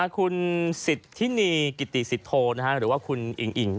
คุณสิทธินีกิติสิทธโธหรือว่าคุณอิงอิ่ง